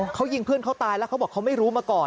เขายิงเพื่อนเขาตายแล้วเขาบอกเขาไม่รู้มาก่อน